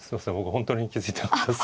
本当に気付いてなかったです。